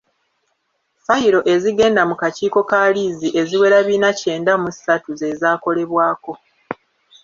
Fayiro ezigenda mu kakiiko ka liizi eziwera bina kyenda mu ssatu ze zaakolebwako.